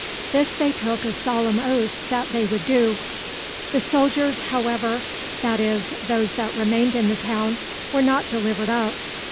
This they took a solemn oath that they would do. The soldiers, however that is, those that remained in the town were not delivered up.